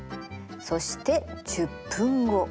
そして１０分後。